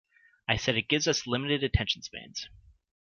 I said it gives us limited attention spans.